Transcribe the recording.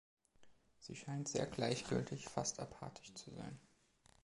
Sie scheint sehr gleichgültig, fast apathisch zu sein.